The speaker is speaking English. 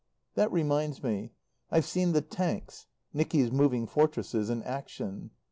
That reminds me. I've seen the "Tanks" (Nicky's Moving Fortresses) in action.